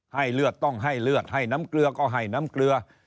เลือดต้องให้เลือดให้น้ำเกลือก็ให้น้ำเกลือ